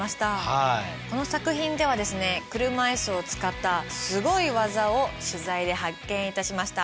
この作品ではですね車いすを使ったすごい技を取材で発見いたしました。